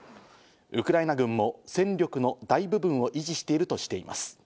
ウクライナ軍も戦力の大部分を維持しているとしています。